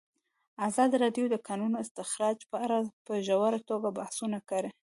ازادي راډیو د د کانونو استخراج په اړه په ژوره توګه بحثونه کړي.